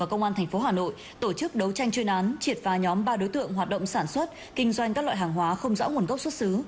công an tp hà nội tổ chức đấu tranh chuyên án triệt phá nhóm ba đối tượng hoạt động sản xuất kinh doanh các loại hàng hóa không rõ nguồn gốc xuất xứ